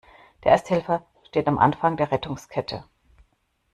Der Ersthelfer steht am Anfang der Rettungskette.